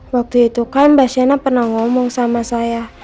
waktu itu kan mbak shina pernah ngomong sama saya